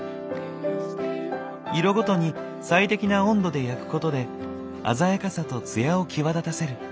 色ごとに最適な温度で焼くことで鮮やかさと艶を際立たせる。